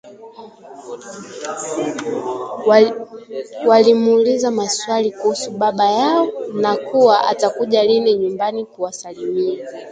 Walimuuliza maswali kuhusu baba yao na kuwa atakuja lini nyumbani kuwasalimia